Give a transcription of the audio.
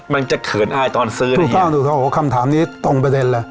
มันจะเขินอายตอนซื้อที่ทุกข้างตุ๊กหนูเอาคำถามนี้ตรงเป็นไปเนนแล้ว